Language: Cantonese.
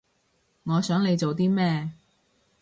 我想你做啲咩